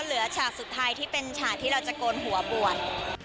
ฉากสุดท้ายที่เป็นฉากที่เราจะโกนหัวบวช